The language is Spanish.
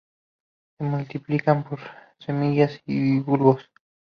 Se multiplican por semillas y bulbos.